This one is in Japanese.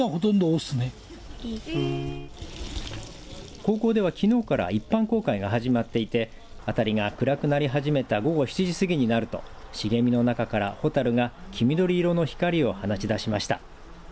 高校では、きのうから一般公開が始まっていて辺りが暗くなり始めた午後７時過ぎになると茂みの中から蛍が黄緑色の光を放ちだしました。